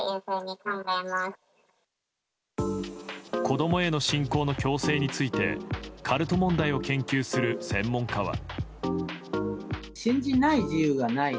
子供への信仰の強制についてカルト問題を研究する専門家は。